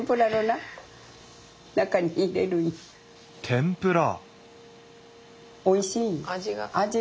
天ぷら？